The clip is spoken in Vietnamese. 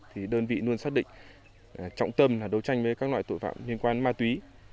thì đơn vị luôn xác định trọng tâm là đấu tranh với các loại tội phạm liên quan ma túy